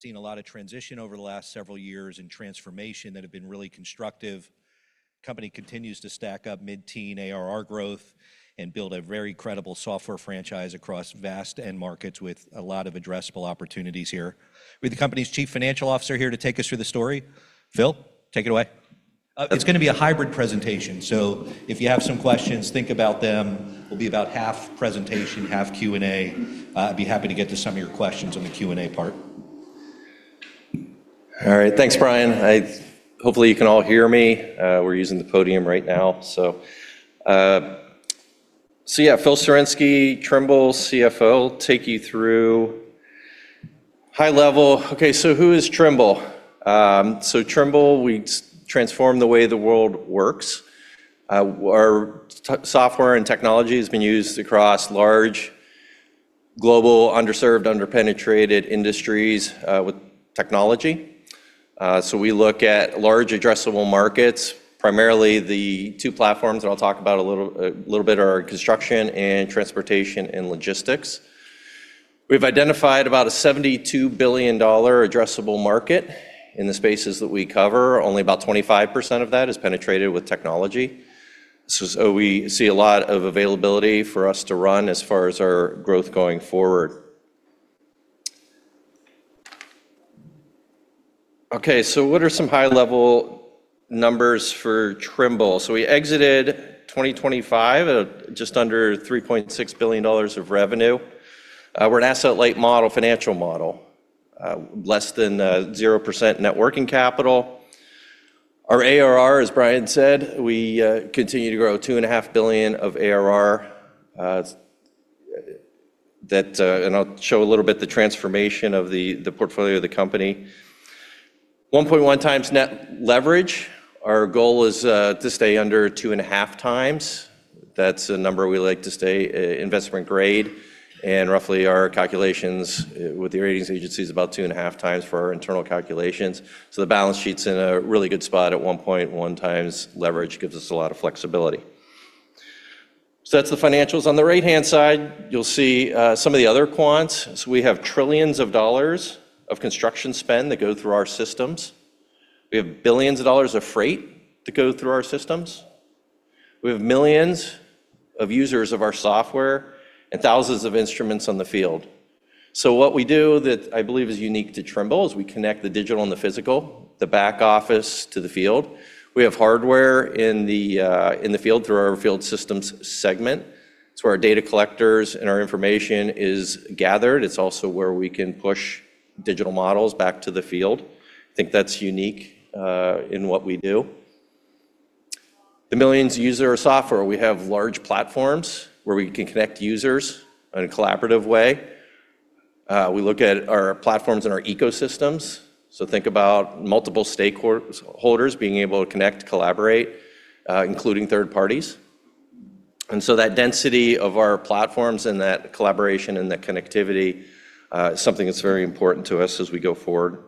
Seen a lot of transition over the last several years and transformation that have been really constructive. Company continues to stack up mid-teen ARR growth and build a very credible software franchise across vast end markets with a lot of addressable opportunities here. We have the company's Chief Financial Officer here to take us through the story. Phil, take it away. It's gonna be a hybrid presentation, if you have some questions, think about them. It'll be about half presentation, Half Q&A. I'd be happy to get to some of your questions on the Q&A part. All right. Thanks, Brian. Hopefully you can all hear me. We're using the podium right now. Yeah, Phillip Sawarynski, Trimble CFO. Take you through high level. Okay, who is Trimble? Trimble, we transform the way the world works. Our software and technology has been used across large global underserved, under-penetrated industries with technology. We look at large addressable markets. Primarily the two platforms that I'll talk about a little bit are construction and transportation and logistics. We've identified about a $72 billion addressable market in the spaces that we cover. Only about 25% of that is penetrated with technology. We see a lot of availability for us to run as far as our growth going forward. Okay, what are some high-level numbers for Trimble? We exited 2025 at just under $3.6 billion of revenue. We're an asset-light model, financial model. Less than 0% net working capital. Our ARR, as Brian said, we continue to grow $2.5 billion of ARR. That, and I'll show a little bit the transformation of the portfolio of the company. 1.1x net leverage. Our goal is to stay under 2.5x. That's a number we like to stay investment grade. Roughly our calculations with the ratings agency is about 2.5x for our internal calculations. The balance sheet's in a really good spot at 1.1x leverage, gives us a lot of flexibility. That's the financials. On the right-hand side, you'll see some of the other quants. We have $ trillions of construction spend that go through our systems. We have $ billions of freight to go through our systems. We have millions of users of our software and thousands of instruments on the field. What we do that I believe is unique to Trimble is we connect the digital and the physical, the back office to the field. We have hardware in the field through our field systems segment. It's where our data collectors and our information is gathered. It's also where we can push digital models back to the field. I think that's unique in what we do. The millions user software, we have large platforms where we can connect users in a collaborative way. We look at our platforms and our ecosystems. Think about multiple stakeholders being able to connect, collaborate, including third parties. That density of our platforms and that collaboration and that connectivity, is something that's very important to us as we go forward.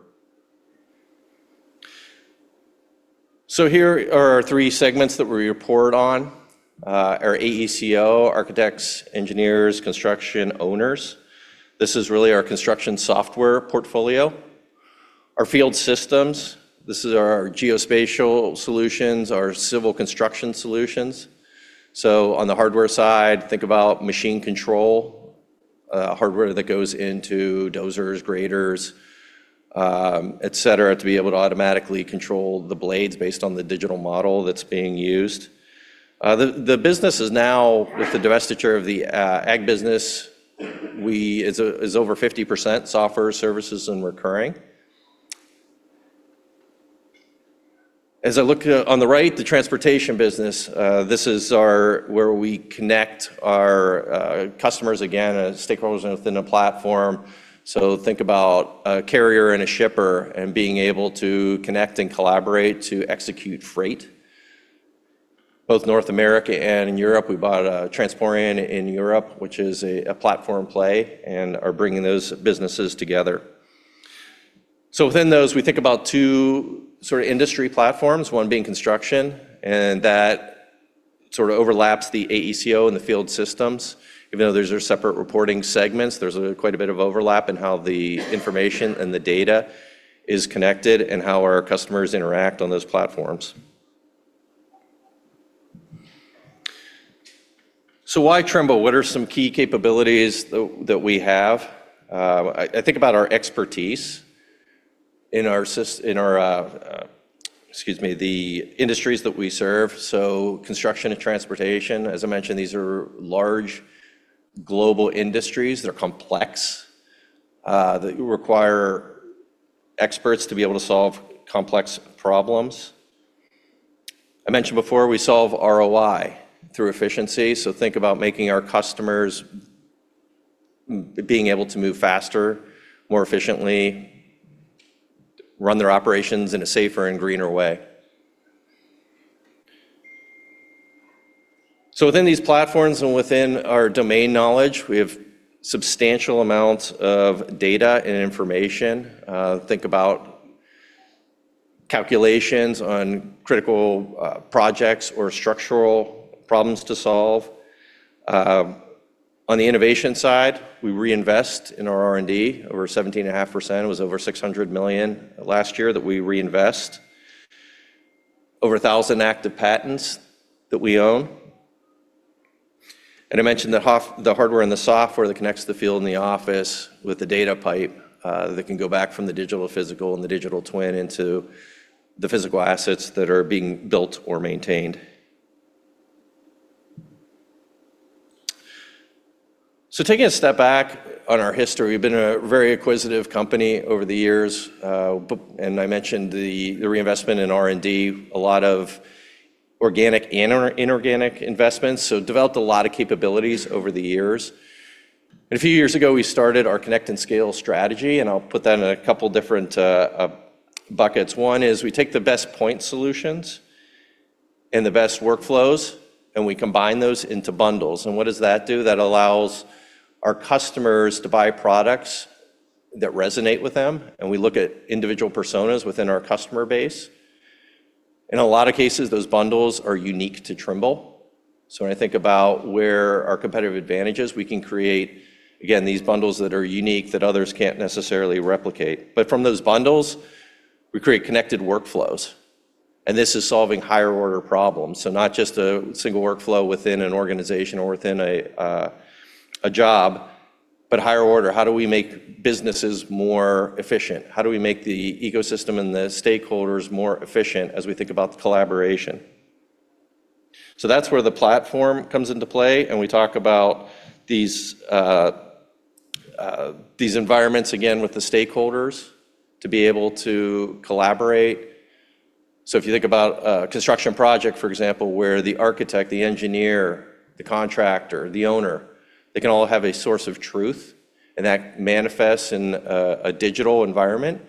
Here are our three segments that we report on. Our AECO, architects, engineers, construction owners. This is really our construction software portfolio. Our field systems, this is our geospatial solutions, our civil construction solutions. On the hardware side, think about machine control, hardware that goes into dozers, graders, et cetera, to be able to automatically control the blades based on the digital model that's being used. The business is now with the divestiture of the ag business, is over 50% software services and recurring. As I look at on the right, the transportation business, this is our where we connect our customers, again, as stakeholders within a platform. Think about a carrier and a shipper and being able to connect and collaborate to execute freight. Both North America and in Europe, we bought Transporeon in Europe, which is a platform play, and are bringing those businesses together. Within those, we think about two sort of industry platforms, one being construction, and that sort of overlaps the AECO and the field systems. Even though those are separate reporting segments, there's quite a bit of overlap in how the information and the data is connected and how our customers interact on those platforms. Why Trimble? What are some key capabilities that we have? I think about our expertise in our excuse me, the industries that we serve. Construction and transportation, as I mentioned, these are large global industries. They're complex that require experts to be able to solve complex problems. I mentioned before, we solve ROI through efficiency. Think about making our customers being able to move faster, more efficiently, run their operations in a safer and greener way. Within these platforms and within our domain knowledge, we have substantial amounts of data and information. Think about calculations on critical projects or structural problems to solve. On the innovation side, we reinvest in our R&D. Over 17.5%. It was over $600 million last year that we reinvest. Over 1,000 active patents that we own. I mentioned that the hardware and the software that connects the field and the office with the data pipe, that can go back from the digital physical and the digital twin into the physical assets that are being built or maintained. Taking a step back on our history, we've been a very acquisitive company over the years. I mentioned the reinvestment in R&D. A lot of organic and inorganic investments, developed a lot of capabilities over the years. A few years ago, we started our Connect and Scale strategy, and I'll put that in a couple different buckets. One is we take the best point solutions and the best workflows, and we combine those into bundles. What does that do? That allows our customers to buy products that resonate with them, and we look at individual personas within our customer base. In a lot of cases, those bundles are unique to Trimble. When I think about where our competitive advantage is, we can create, again, these bundles that are unique that others can't necessarily replicate. From those bundles, we create connected workflows. This is solving higher order problems. Not just a single workflow within an organization or within a job, but higher order. How do we make businesses more efficient? How do we make the ecosystem and the stakeholders more efficient as we think about the collaboration? That's where the platform comes into play, and we talk about these environments again with the stakeholders to be able to collaborate. If you think about a construction project, for example, where the architect, the engineer, the contractor, the owner, they can all have a source of truth, and that manifests in a digital environment.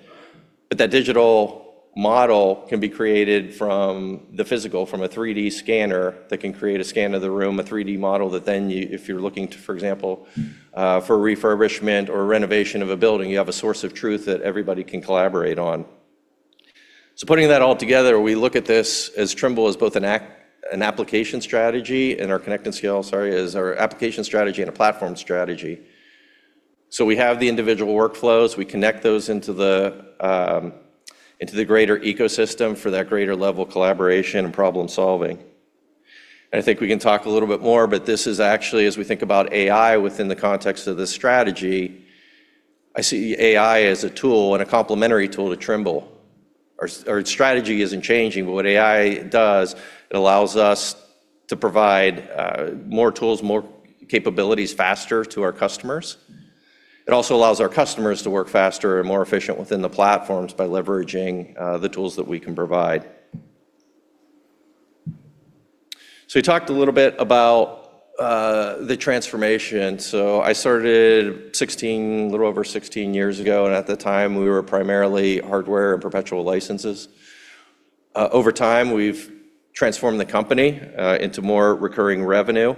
That digital model can be created from the physical, from a 3D scanner that can create a scan of the room, a 3D model that then if you're looking to, for example, for refurbishment or renovation of a building, you have a source of truth that everybody can collaborate on. Putting that all together, we look at this as Trimble as both an application strategy and our Connect and Scale, sorry, as our application strategy and a platform strategy. We have the individual workflows. We connect those into the greater ecosystem for that greater level of collaboration and problem-solving. I think we can talk a little bit more, but this is actually as we think about AI within the context of this strategy. I see AI as a tool and a complementary tool to Trimble. Our strategy isn't changing, but what AI does, it allows us to provide more tools, more capabilities faster to our customers. It also allows our customers to work faster and more efficient within the platforms by leveraging the tools that we can provide. We talked a little bit about the transformation. I started 16, a little over 16 years ago, and at the time, we were primarily hardware and perpetual licenses. Over time, we've transformed the company into more recurring revenue.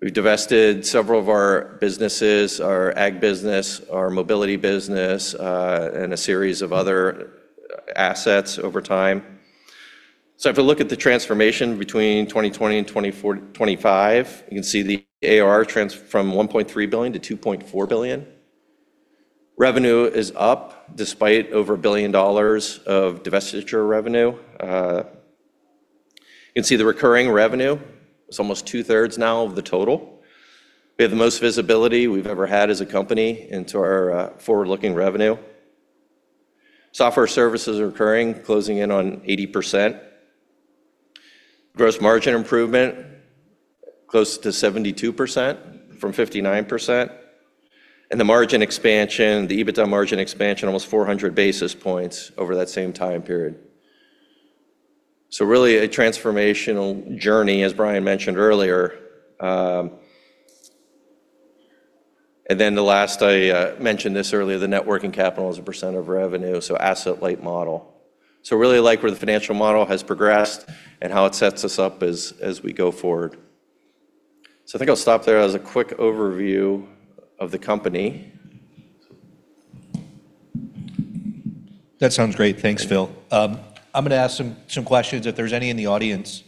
We've divested several of our businesses, our ag business, our mobility business, and a series of other assets over time. If you look at the transformation between 2020 and 2025, you can see the ARR trans from $1.3 billion-$2.4 billion. Revenue is up despite over $1 billion of divestiture revenue. You can see the recurring revenue is almost two-thirds now of the total. We have the most visibility we've ever had as a company into our forward-looking revenue. Software services are recurring, closing in on 80%. Gross margin improvement close to 72% from 59%. The margin expansion, the EBITDA margin expansion, almost 400 basis points over that same time period. Really a transformational journey, as Brian mentioned earlier. The last, I mentioned this earlier, the net working capital as a % of revenue, so asset-light model. Really like where the financial model has progressed and how it sets us up as we go forward. I think I'll stop there as a quick overview of the company. That sounds great. Thanks, Phil. I'm going to ask some questions. If there's any in the audience,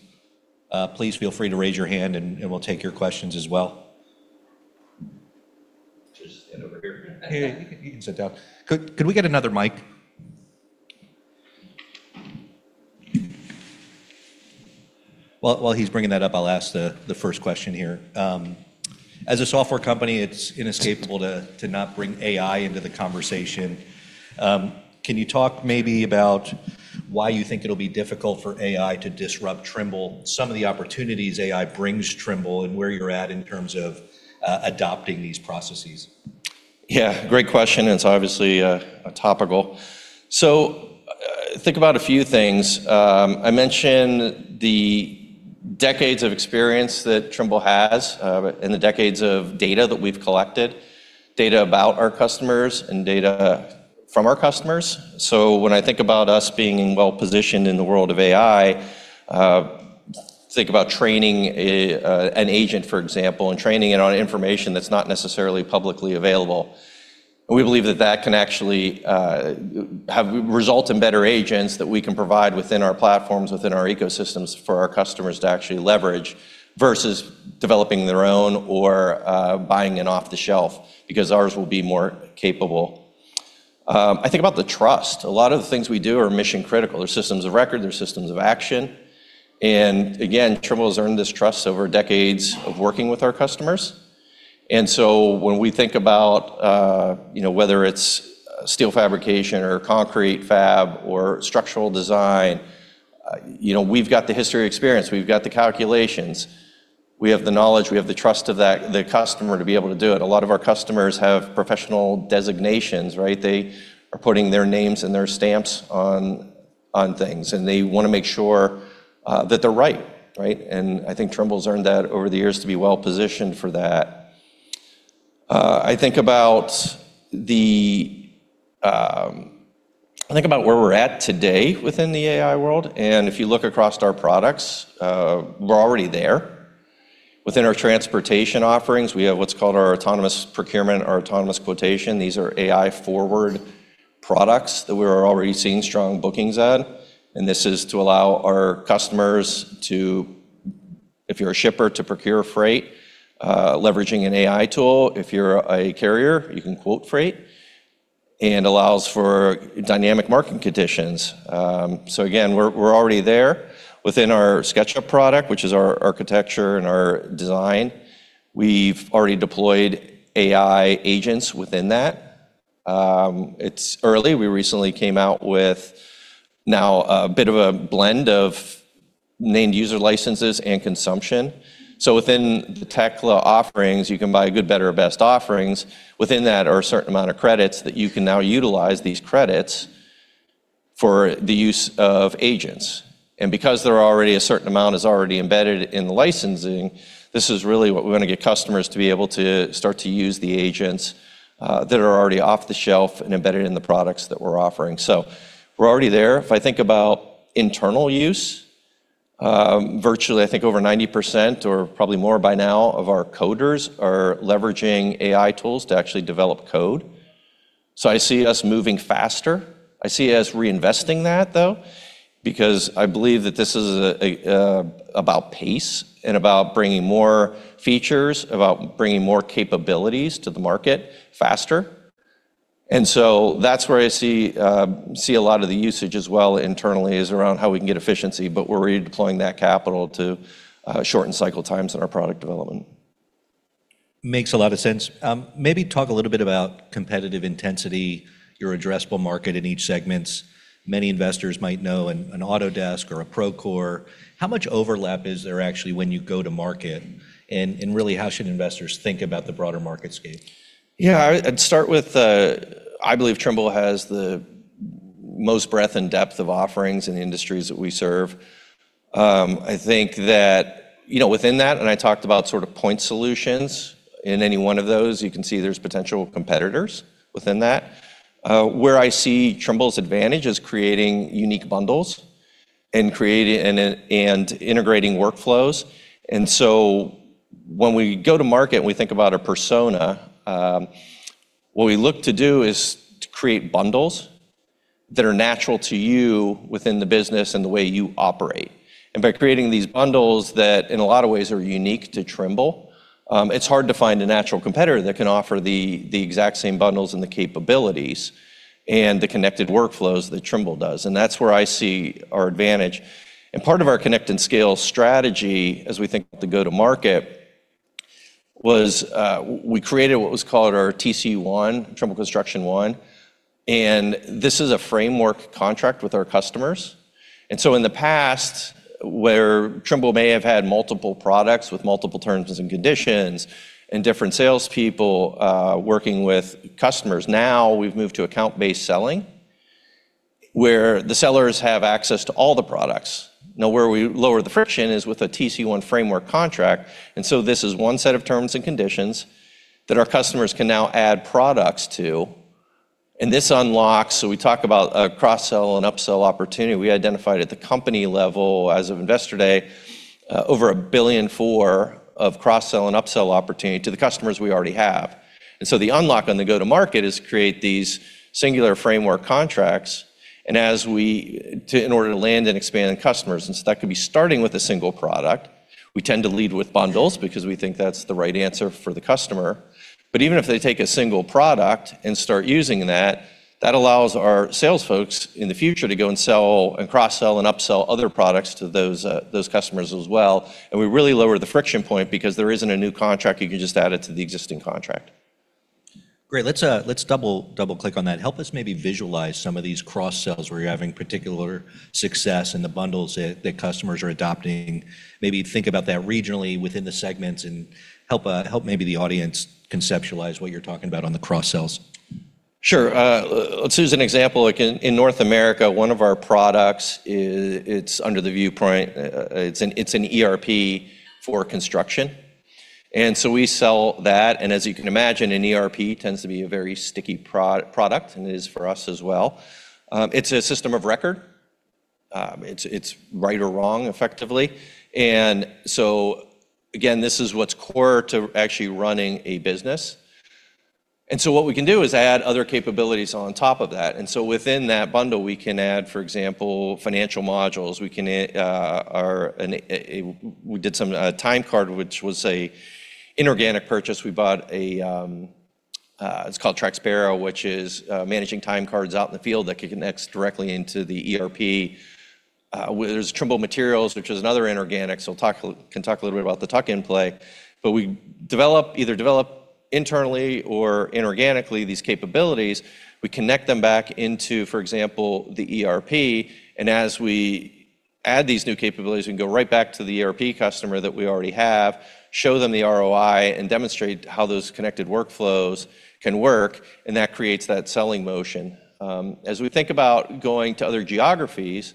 please feel free to raise your hand and we'll take your questions as well. Just stand over here. Yeah. You can sit down. Could we get another mic? While he's bringing that up, I'll ask the first question here. As a software company, it's inescapable to not bring AI into the conversation. Can you talk maybe about why you think it'll be difficult for AI to disrupt Trimble, some of the opportunities AI brings Trimble, and where you're at in terms of adopting these processes? Yeah. Great question, and it's obviously topical. Think about a few things. I mentioned the decades of experience that Trimble has and the decades of data that we've collected, data about our customers and data from our customers. When I think about us being well-positioned in the world of AI, think about training an agent, for example, and training it on information that's not necessarily publicly available. We believe that that can actually result in better agents that we can provide within our platforms, within our ecosystems for our customers to actually leverage versus developing their own or buying an off-the-shelf because ours will be more capable. I think about the trust. A lot of the things we do are mission-critical. They're systems of record, they're systems of action. Again, Trimble's earned this trust over decades of working with our customers. When we think about, you know, whether it's steel fabrication or concrete fab or structural design, you know, we've got the history of experience. We've got the calculations. We have the knowledge, we have the trust of the customer to be able to do it. A lot of our customers have professional designations, right? They are putting their names and their stamps on things, and they wanna make sure that they're right. Right? I think Trimble's earned that over the years to be well-positioned for that. I think about where we're at today within the AI world, and if you look across our products, we're already there. Within our transportation offerings, we have what's called our Autonomous Procurement or Autonomous Quotation. These are AI-forward products that we are already seeing strong bookings on, this is to allow our customers to, if you're a shipper, to procure freight, leveraging an AI tool. If you're a carrier, you can quote freight, allows for dynamic market conditions. Again, we're already there. Within our SketchUp product, which is our architecture and our design, we've already deployed AI agents within that. It's early. We recently came out with now a bit of a blend of named user licenses and consumption. Within the Tekla offerings, you can buy good, better, or best offerings. Within that are a certain amount of credits that you can now utilize these credits for the use of agents. Because there are already a certain amount is already embedded in the licensing, this is really what we wanna get customers to be able to start to use the agents that are already off-the-shelf and embedded in the products that we're offering. We're already there. If I think about internal use, virtually I think over 90% or probably more by now of our coders are leveraging AI tools to actually develop code. I see us moving faster. I see us reinvesting that, though, because I believe that this is about pace and about bringing more features, about bringing more capabilities to the market faster. That's where I see a lot of the usage as well internally is around how we can get efficiency, but we're redeploying that capital to shorten cycle times in our product development. Makes a lot of sense. Maybe talk a little bit about competitive intensity, your addressable market in each segments. Many investors might know an Autodesk or a Procore. How much overlap is there actually when you go to market? Really how should investors think about the broader market scape? Yeah. I'd start with, I believe Trimble has the most breadth and depth of offerings in the industries that we serve. I think that, you know, within that, I talked about sort of point solutions in any one of those, you can see there's potential competitors within that. Where I see Trimble's advantage is creating unique bundles and creating and integrating workflows. When we go to market and we think about a persona, what we look to do is to create bundles that are natural to you within the business and the way you operate. By creating these bundles that in a lot of ways are unique to Trimble, it's hard to find a natural competitor that can offer the exact same bundles and the capabilities and the connected workflows that Trimble does. That's where I see our advantage. Part of our Connect and Scale strategy as we think to go to market was, we created what was called our TC1, Trimble Construction One, and this is a framework contract with our customers. In the past, where Trimble may have had multiple products with multiple terms and conditions and different salespeople, working with customers, we've moved to account-based selling, where the sellers have access to all the products. Where we lower the friction is with a TC1 framework contract. This is one set of terms and conditions that our customers can now add products to, this unlocks. We talk about a cross-sell and upsell opportunity. We identified at the company level as of Investor Day, over $1.4 billion of cross-sell and upsell opportunity to the customers we already have. The unlock on the go-to-market is create these singular framework contracts, in order to land and expand on customers. That could be starting with a single product. We tend to lead with bundles because we think that's the right answer for the customer. Even if they take a single product and start using that allows our sales folks in the future to go and sell and cross-sell and upsell other products to those customers as well. We really lower the friction point because there isn't a new contract. You can just add it to the existing contract. Great. Let's double-click on that. Help us maybe visualize some of these cross-sells where you're having particular success and the bundles that customers are adopting. Maybe think about that regionally within the segments and help maybe the audience conceptualize what you're talking about on the cross-sells. Sure. Let's use an example. Like in North America, one of our products it's under the Viewpoint. It's an ERP for construction. We sell that, and as you can imagine, an ERP tends to be a very sticky product, and it is for us as well. It's a system of record. It's, it's right or wrong, effectively. Again, this is what's core to actually running a business. What we can do is add other capabilities on top of that. Within that bundle we can add, for example, financial modules. We can our. We did some, a time card, which was an inorganic purchase. We bought a, it's called Traqspera, which is managing time cards out in the field that connects directly into the ERP. There's Trimble Materials, which is another inorganic, so we can talk a little bit about the tuck-in play. We either develop internally or inorganically these capabilities. We connect them back into, for example, the ERP, and as we add these new capabilities, we can go right back to the ERP customer that we already have, show them the ROI, and demonstrate how those connected workflows can work, and that creates that selling motion. As we think about going to other geographies,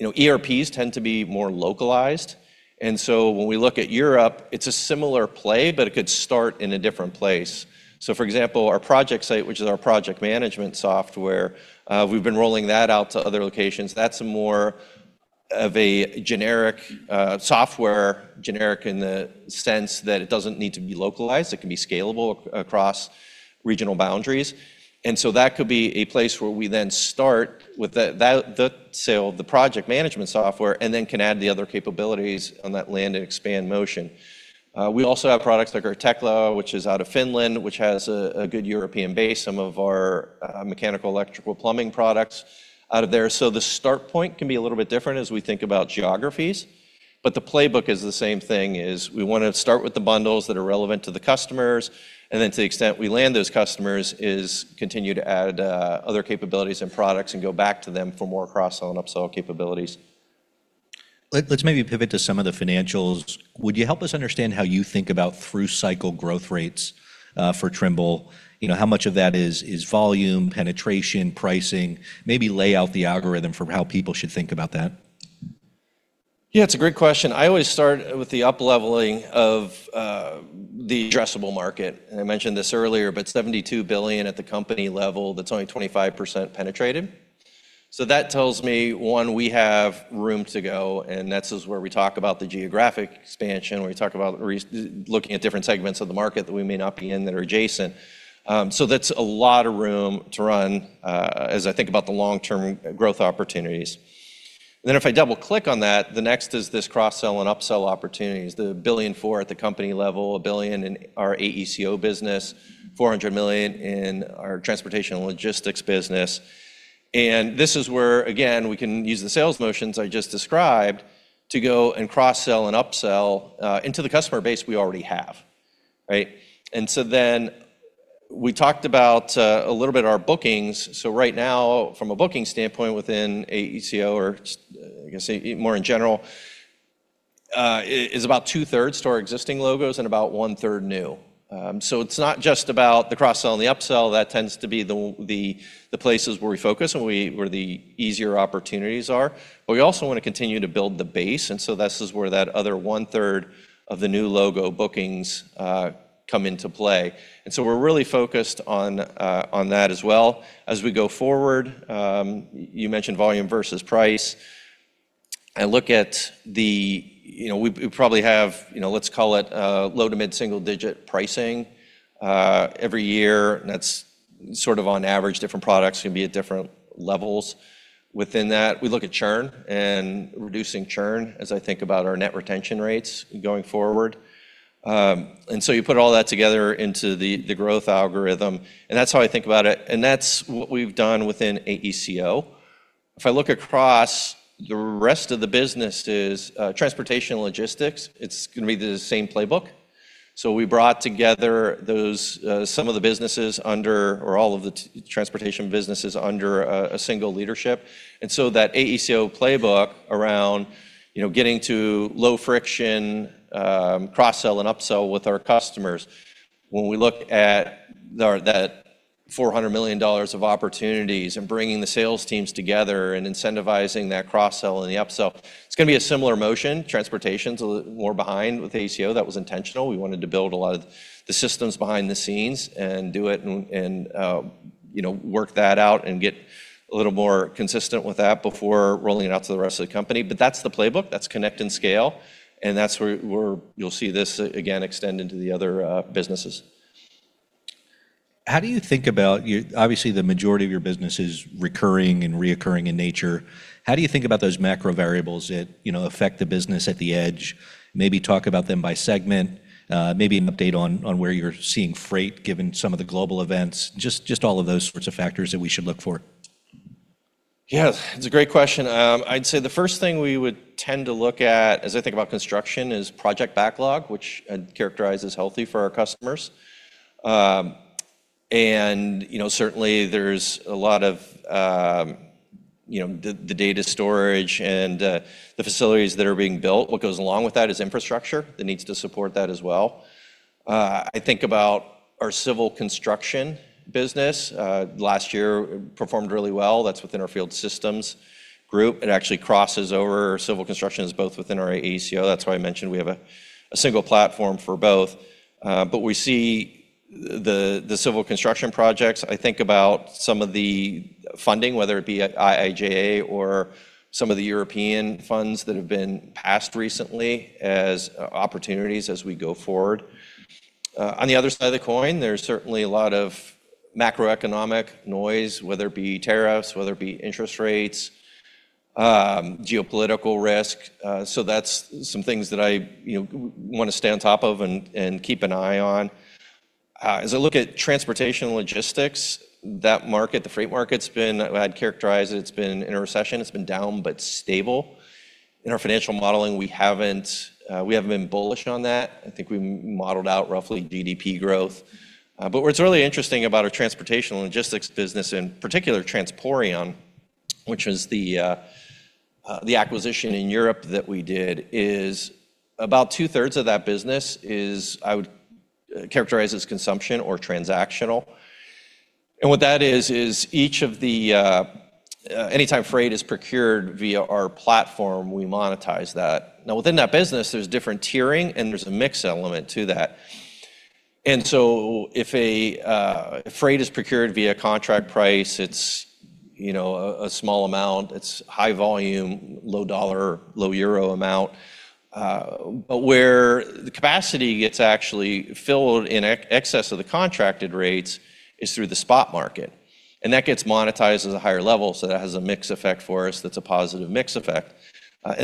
you know, ERPs tend to be more localized. When we look at Europe, it's a similar play, but it could start in a different place. For example, our ProjectSight, which is our project management software, we've been rolling that out to other locations. That's more of a generic software, generic in the sense that it doesn't need to be localized. It can be scalable across regional boundaries. So that could be a place where we then start with the sale of the project management software and then can add the other capabilities on that land and expand motion. We also have products like our Tekla, which is out of Finland, which has a good European base, some of our Mechanical, Electrical, Plumbing products out of there. The start point can be a little bit different as we think about geographies. The playbook is the same thing, is we wanna start with the bundles that are relevant to the customers, and then to the extent we land those customers, is continue to add, other capabilities and products and go back to them for more cross-sell and upsell capabilities. Let's maybe pivot to some of the financials. Would you help us understand how you think about through-cycle growth rates for Trimble? You know, how much of that is volume, penetration, pricing? Maybe lay out the algorithm for how people should think about that. Yeah, it's a great question. I always start with the upleveling of the addressable market. I mentioned this earlier, but $72 billion at the company level, that's only 25% penetrated. That tells me, one, we have room to go, and that's is where we talk about the geographic expansion, where we talk about looking at different segments of the market that we may not be in that are adjacent. That's a lot of room to run as I think about the long-term growth opportunities. If I double-click on that, the next is this cross-sell and upsell opportunities. The $1.4 billion at the company level, $1 billion in our AECO business, $400 million in our transportation and logistics business. This is where, again, we can use the sales motions I just described to go and cross-sell and upsell, into the customer base we already have, right? Then we talked about a little bit our bookings. Right now from a booking standpoint within AECO or I can say more in general, is about two-thirds to our existing logos and about one-third new. So it's not just about the cross-sell and the upsell. That tends to be the places where we focus and where the easier opportunities are. We also wanna continue to build the base, this is where that other one-third of the new logo bookings, come into play. We're really focused on that as well. As we go forward, you mentioned volume versus price. I look at the, you know, we probably have, you know, let's call it, low to mid-single-digit pricing every year. That's sort of on average. Different products can be at different levels within that. We look at churn and reducing churn as I think about our net retention rate going forward. You put all that together into the growth algorithm, and that's how I think about it. That's what we've done within AECO. If I look across, the rest of the business is transportation and logistics. It's gonna be the same playbook. We brought together those, some of the businesses under, or all of the transportation businesses under a single leadership. That AECO playbook around, you know, getting to low friction, cross-sell and upsell with our customers. When we look at the, that $400 million of opportunities and bringing the sales teams together and incentivizing that cross-sell and the upsell, it's gonna be a similar motion. Transportation's a little more behind with AECO. That was intentional. We wanted to build a lot of the systems behind the scenes and do it and, you know, work that out and get a little more consistent with that before rolling it out to the rest of the company. That's the playbook. That's Connect and Scale, and that's where you'll see this again extend into the other businesses. Obviously, the majority of your business is recurring and reoccurring in nature. How do you think about those macro variables that, you know, affect the business at the edge? Maybe talk about them by segment. Maybe an update on where you're seeing freight given some of the global events. Just all of those sorts of factors that we should look for. Yeah. It's a great question. I'd say the first thing we would tend to look at as I think about construction is project backlog, which I'd characterize as healthy for our customers. You know, certainly there's a lot of, you know, the data storage and, the facilities that are being built. What goes along with that is infrastructure that needs to support that as well. I think about our civil construction business, last year performed really well. That's within our field systems group. It actually crosses over civil constructions both within our AECO. That's why I mentioned we have a single platform for both. We see the civil construction projects, I think about some of the funding, whether it be at IIJA or some of the European funds that have been passed recently as opportunities as we go forward. On the other side of the coin, there's certainly a lot of macroeconomic noise, whether it be tariffs, whether it be interest rates, geopolitical risk. That's some things that I, you know, wanna stay on top of and keep an eye on. As I look at transportation logistics, that market, the freight market's been, I'd characterize it's been in a recession. It's been down but stable. In our financial modeling, we haven't been bullish on that. I think we modeled out roughly GDP growth. What's really interesting about our transportation logistics business, in particular Transporeon, which was the acquisition in Europe that we did, is about two-thirds of that business is, I would characterize as consumption or transactional. What that is each of the anytime freight is procured via our platform, we monetize that. Within that business, there's different tiering, and there's a mix element to that. If a freight is procured via contract price, it's, you know, a small amount. It's high volume, low dollar, low EUR amount. Where the capacity gets actually filled in excess of the contracted rates is through the spot market, and that gets monetized as a higher level. That has a mix effect for us that's a positive mix effect.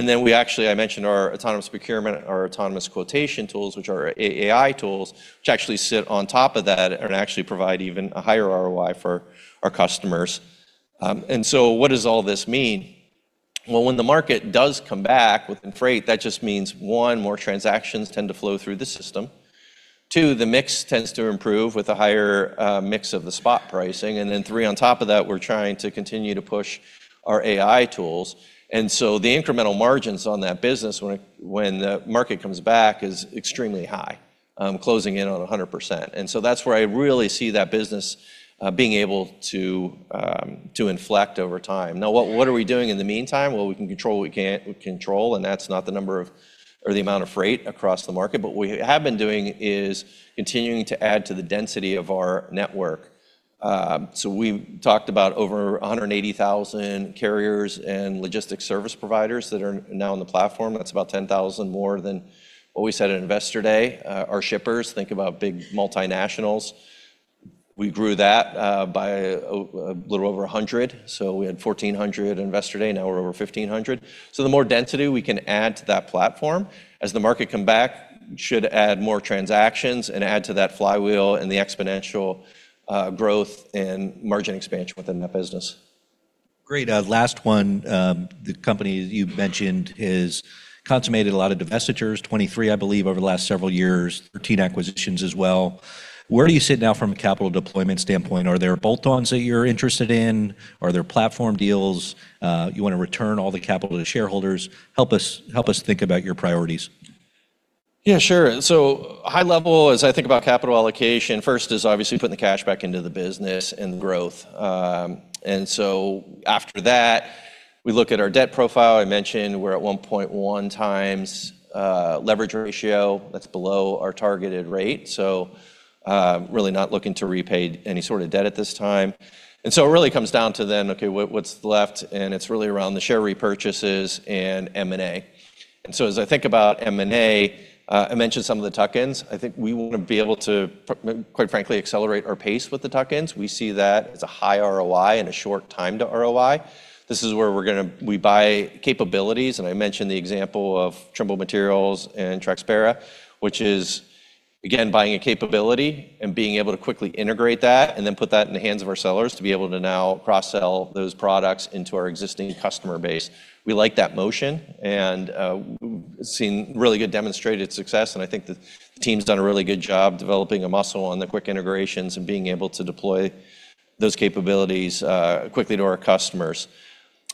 We actually, I mentioned our Autonomous Procurement, our Autonomous Quotation tools, which are AI tools, which actually sit on top of that and actually provide even a higher ROI for our customers. What does all this mean? Well, when the market does come back within freight, that just means, one, more transactions tend to flow through the system. two, the mix tends to improve with a higher mix of the spot pricing. three, on top of that, we're trying to continue to push our AI tools. The incremental margins on that business when the market comes back is extremely high, closing in on 100%. That's where I really see that business being able to inflect over time. What are we doing in the meantime? Well, we can control what we can't control, and that's not the number of or the amount of freight across the market. What we have been doing is continuing to add to the density of our network. We've talked about over 180,000 carriers and logistic service providers that are now on the platform. That's about 10,000 more than what we said at Investor Day. Our shippers think about big multinationals. We grew that by a little over 100. We had 1,400 at Investor Day, now we're over 1,500. The more density we can add to that platform as the market come back should add more transactions and add to that flywheel and the exponential growth and margin expansion within that business. Great. Last one. The company you mentioned is consummated a lot of divestitures, 23, I believe, over the last several years, 13 acquisitions as well. Where do you sit now from a capital deployment standpoint? Are there bolt-ons that you're interested in? Are there platform deals? You wanna return all the capital to shareholders? Help us think about your priorities. Yeah, Sure. High level, as I think about capital allocation, first is obviously putting the cash back into the business and growth. After that, we look at our debt profile. I mentioned we're at 1.1x leverage ratio. That's below our targeted rate. Really not looking to repay any sort of debt at this time. It really comes down to then, okay, what's left? It's really around the share repurchases and M&A. As I think about M&A, I mentioned some of the tuck-ins. I think we wanna be able to quite frankly, accelerate our pace with the tuck-ins. We see that as a high ROI and a short time to ROI. This is where we buy capabilities, and I mentioned the example of Trimble Materials and Traqspera, which is again buying a capability and being able to quickly integrate that and then put that in the hands of our sellers to be able to now cross-sell those products into our existing customer base. We like that motion and we've seen really good demonstrated success, and I think the team's done a really good job developing a muscle on the quick integrations and being able to deploy those capabilities quickly to our customers.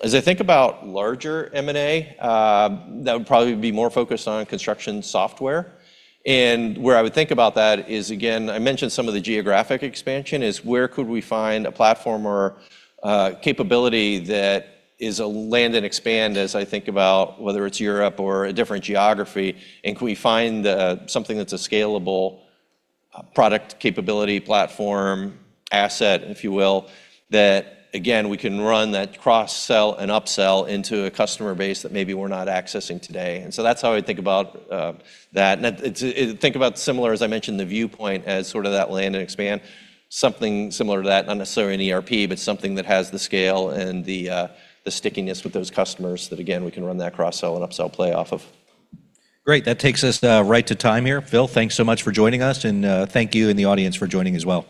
As I think about larger M&A, that would probably be more focused on construction software. Where I would think about that is, again, I mentioned some of the geographic expansion, is where could we find a platform or capability that is a land and expand as I think about whether it's Europe or a different geography. Can we find something that's a scalable product capability platform asset, if you will, that again we can run that cross-sell and upsell into a customer base that maybe we're not accessing today. That's how I think about that. It's, think about similar, as I mentioned, the Viewpoint as sort of that land and expand, something similar to that, not necessarily an ERP, but something that has the scale and the stickiness with those customers that again, we can run that cross-sell and upsell play off of. Great. That takes us right to time here. Phil, thanks so much for joining us, and thank you in the audience for joining as well.